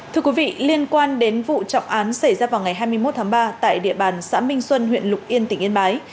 thưa quý vị liên quan đến vụ trọng án xảy ra vào ngày hai mươi một tháng ba tại địa bàn xã minh xuân huyện lục yên tỉnh yên bái